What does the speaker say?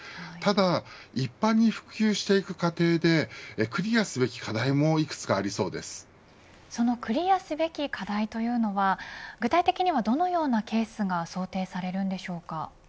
ただ一般に普及していく過程でクリアすべき課題もそのクリアすべき課題というのは具体的にはどのようなケースが想定されるのでしょうか。